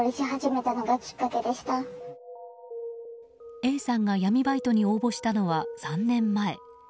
Ａさんが闇バイトに応募したのは３年前。